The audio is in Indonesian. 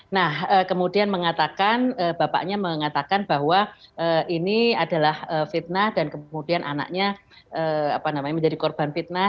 nah kemudian mengatakan bapaknya mengatakan bahwa ini adalah fitnah dan kemudian anaknya menjadi korban fitnah